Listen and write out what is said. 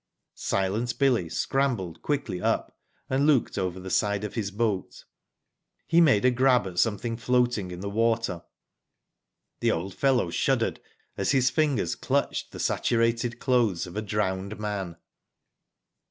Silent Billy scramble^ quickly up and looked over the side of his boat. He made a grab at something floating in the water. The old fellow shuddered as his fingers clutched the saturated clothes of a drowned man.